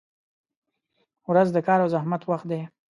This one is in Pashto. • ورځ د کار او زحمت وخت دی.